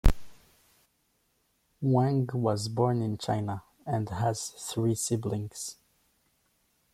Wang was born in China, and has three siblings.